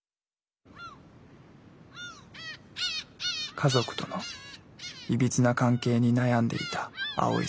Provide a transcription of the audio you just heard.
家族とのいびつな関係に悩んでいたアオイさん。